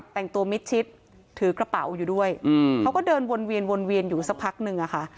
แต่งตัวมิดชิดถือกระเป๋าอยู่ด้วยเขาก็เดินวนเวียนวนเวียนอยู่สักพักนึงอะค่ะ